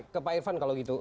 ke pak irvan kalau gitu